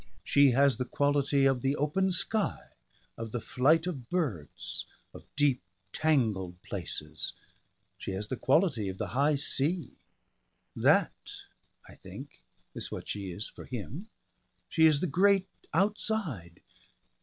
She has the quality of the open sky, of the flight of birds, of deep tangled places, she has the quality of the high sea. That I think is what she is for him, she is the Great Outside.